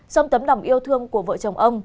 xong tấm đồng yêu thương của vợ chồng ông